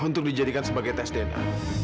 untuk dijadikan sebagai tes dna